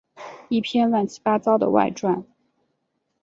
一篇乱七八糟的外传